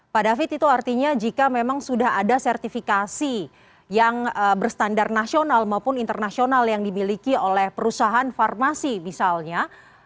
pak david itu artinya jika memang sudah ada sertifikasi yang berstandar nasional maupun internasional yang dimiliki oleh perusahaan farmasi misalnya